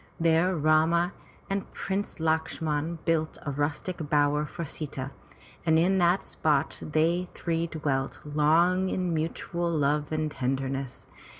There Rama and Prince Lakshman built a rustic bower for Sita, and in that spot they three dwelt long in mutual love and tenderness.